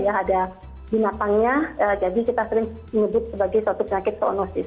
ada binatangnya jadi kita sering menyebut sebagai suatu penyakit zoonosis